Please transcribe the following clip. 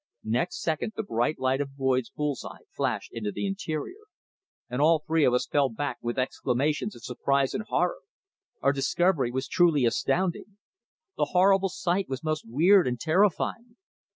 Next second the bright light of Boyd's bull's eye flashed into the interior, and all three of us fell back with exclamations of surprise and horror. Our discovery was truly astounding. The horrible sight was most weird and terrifying.